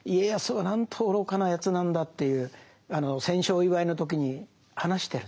なんと愚かなやつなんだという戦勝祝いの時に話してると。